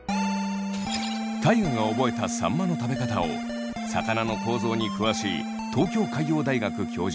大我が覚えたさんまの食べ方を魚の構造に詳しい東京海洋大学教授